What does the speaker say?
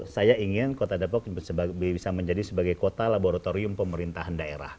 saya ingin kota depok bisa menjadi sebagai kota laboratorium pemerintahan daerah